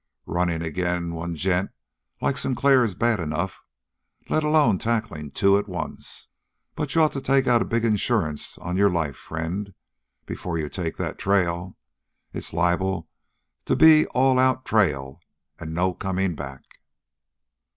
"Running agin' one gent like Sinclair is bad enough let alone tackling two at once. But you'd ought to take out a big insurance on your life, friend, before you take that trail. It's liable to be all out trail and no coming back."